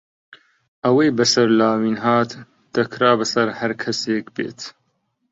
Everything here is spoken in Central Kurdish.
ئەوەی بەسەر لاوین هات، دەکرا بەسەر هەر کەسێک بێت.